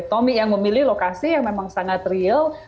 tommy yang memilih lokasi yang memang sangat real